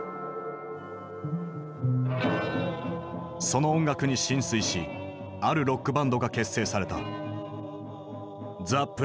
その音楽に心酔しあるロックバンドが結成された。